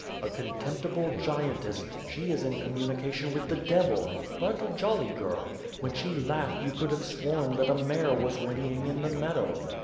A contemptible giantess, she is in communication with the devil ... but a jolly girl. When she laughed vou could have sworn that a mare was whinnying in the meadow.